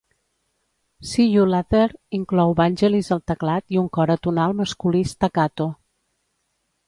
"See You Later" inclou Vangelis al teclat i un cor atonal masculí staccato.